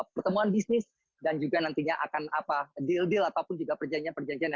pertemuan bisnis dan juga nantinya akan apa deal deal ataupun juga perjanjian perjanjian